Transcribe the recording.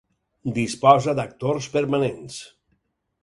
Disposa d'actors permanents.